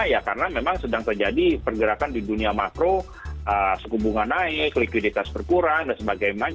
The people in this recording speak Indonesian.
ya karena memang sedang terjadi pergerakan di dunia makro suku bunga naik likuiditas berkurang dan sebagainya